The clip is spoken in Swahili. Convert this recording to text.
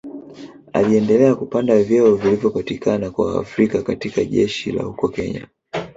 Aliendelea kupanda vyeo vilivyopatikana kwa Waafrika katika jeshi la huko Kenya